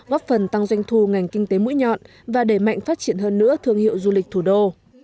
góp phần tăng doanh thu ngành kinh tế mũi nhọn và đẩy mạnh phát triển hơn nữa thương hiệu du lịch thủ đô